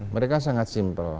mereka sangat simpel